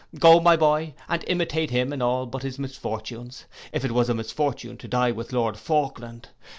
Go, my boy, and imitate him in all but his misfortunes, if it was a misfortune to die with Lord Falkland.